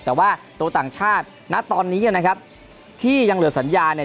แต่ว่าตัวต่างชาติณตอนนี้นะครับที่ยังเหลือสัญญาเนี่ย